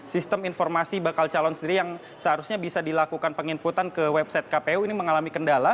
sistem informasi bakal calon sendiri yang seharusnya bisa dilakukan penginputan ke website kpu ini mengalami kendala